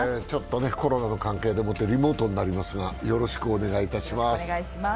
ちょっとコロナの関係でもってリモートになりますが、よろしくお願いします。